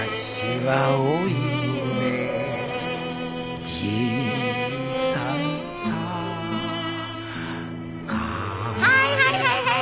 はいはいはいはい。